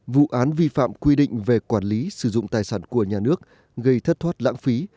vụ án vi phạm quy định về quản lý sử dụng tài sản của nhà nước gây thất thoát lãng phí